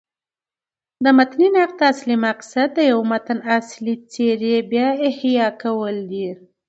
د متني نقد اصلي مقصد د یوه متن اصلي څېرې بيا احیا کول دي.